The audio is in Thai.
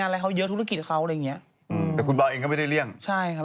เพราะว่าบางที่มันเป็นการเชิญนะคะ